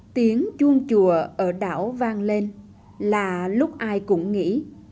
tiếng chuông chùa ở đảo vang lên là lúc ai cũng nghĩ